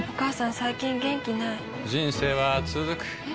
最近元気ない人生はつづくえ？